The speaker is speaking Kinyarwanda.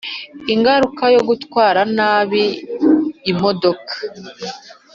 ingaruka yo gutwara nabi imodoka